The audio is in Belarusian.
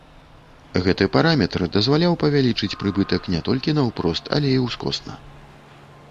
Гэты параметр дазваляў павялічыць прыбытак не толькі наўпрост, але і ўскосна.